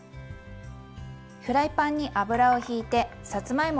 フライパンに油をひいてさつまいもを入れます。